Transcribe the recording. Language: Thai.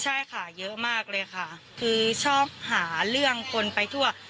คืออยู่เก่งกับทั้งคนแก่ใช่ค่ะเยอะมากเลยค่ะคือชอบหาเรื่องคนไปทั่ว